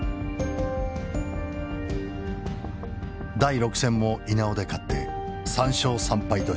第６戦も稲尾で勝って３勝３敗とし